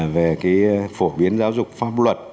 về phổ biến giáo dục pháp luật